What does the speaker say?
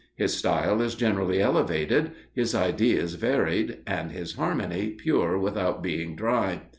His style is generally elevated; his ideas varied, and his harmony pure without being dry.